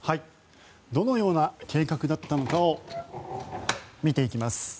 どのような計画だったのかを見ていきます。